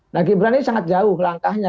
nah gibran ini sangat jauh langkahnya